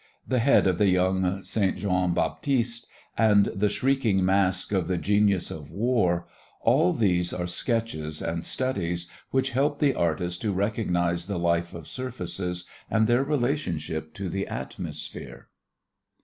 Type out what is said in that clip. The head of the young "St. Jean Baptiste" and the shrieking mask for the "Genius of War" all these are sketches and studies which helped the artist to recognize the life of surfaces and their relationship to the atmosphere.